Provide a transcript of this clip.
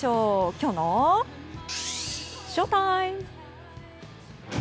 きょうのＳＨＯＴＩＭＥ。